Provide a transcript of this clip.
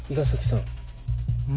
ん？